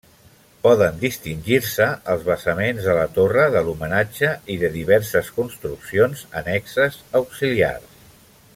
Poden distingir-se els basaments de la torre de l'homenatge i de diverses construccions annexes auxiliars.